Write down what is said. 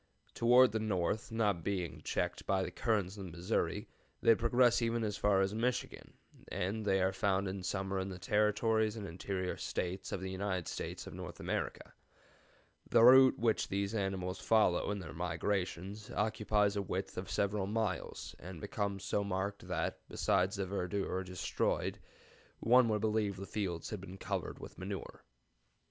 Toward the north, not being checked by the currents of the Missouri, they progress even as far as Michigan, and they are found in summer in the Territories and interior States of the United States of North America. The route which these animals follow in their migrations occupies a width of several miles, and becomes so marked that, besides the verdure destroyed, one would believe that the fields had been covered with manure.